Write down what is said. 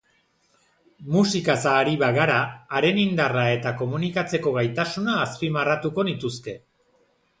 Musikaz ari bagara, haren indarra eta komunikatzeko gaitasuna azpimarratuko nituzke.